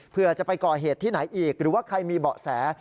เพื่อจะไปก่อเหตุที่ไหนอีกหรือว่าใครมีเบาะแส